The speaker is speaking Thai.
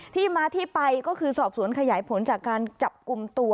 ที่มาที่ไปก็คือสอบสวนขยายผลจากการจับกลุ่มตัว